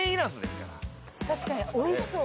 確かにおいしそう。